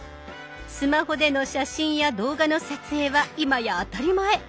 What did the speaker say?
スマホでの写真や動画の撮影は今や当たり前。